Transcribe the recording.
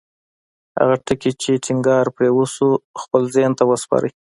هغه ټکي چې ټينګار پرې وشو خپل ذهن ته وسپارئ.